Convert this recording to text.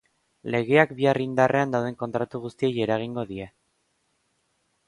Legeak bihar indarrean dauden kontratu guztiei eragingo die.